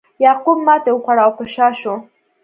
یعقوب ماتې وخوړه او په شا شو.